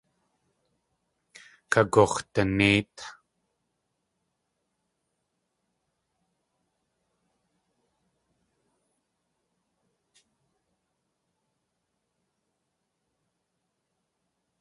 Kagux̲danéit.